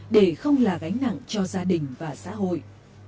để không là gánh nặng cho gia đình và xã hội